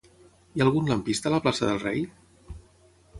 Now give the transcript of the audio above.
Hi ha algun lampista a la plaça del Rei?